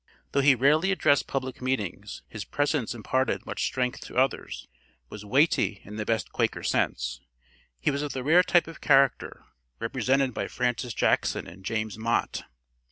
Though he rarely addressed public meetings, his presence imparted much strength to others, was "weighty" in the best Quaker sense. He was of the rare type of character, represented by Francis Jackson and James Mott.